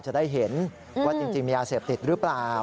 จะได้เห็นว่าจริงมียาเสพติดหรือเปล่า